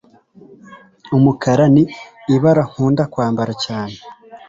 umukara ni ibara nkunda kwambara cyane